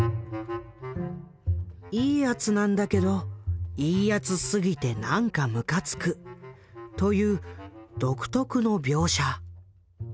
「いいやつ」なんだけど「いいやつ」すぎてなんかむかつくという独特の描写。